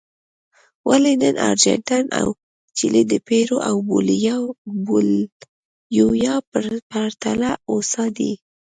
ولې نن ارجنټاین او چیلي د پیرو او بولیویا په پرتله هوسا دي.